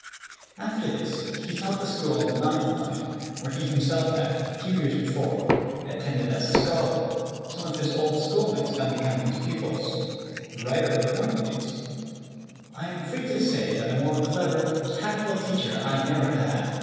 After this he taught the school on the 9th line, where he himself had, a few years before, attended as a scholar, some of his old schoolmates now becoming his pupils. The writer was one of these; and I am free to say that a more clever, tactful teacher I never had.